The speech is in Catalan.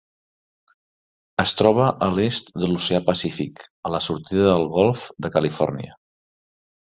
Es troba a l'est de l'Oceà Pacífic, a la sortida del Golf de Califòrnia.